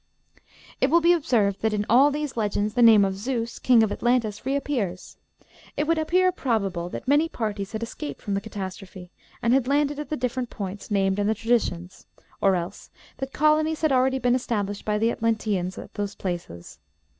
It will be observed that in all these legends the name of Zeus, King of Atlantis, reappears. It would appear probable that many parties had escaped from the catastrophe, and had landed at the different points named in the traditions; or else that colonies had already been established by the Atlanteans at those places.